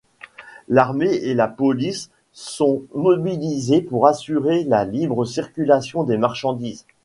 L'armée et la police sont mobilisés pour assurer la libre circulation des marchandises.